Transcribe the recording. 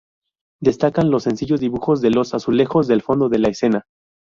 Destacan los sencillos dibujos de los azulejos del fondo de la escena.